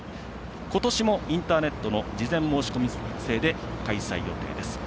ことしもインターネットの事前申し込み制で開催予定です。